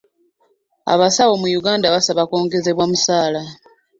Abasawo mu Uganda basaba kwongezebwa musaala.